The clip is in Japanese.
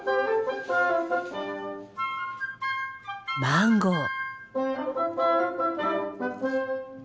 マンゴー。